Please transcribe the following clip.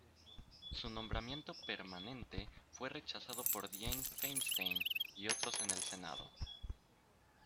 Su nombramiento permanente fue rechazado por Dianne Feinstein y otros en el Senado.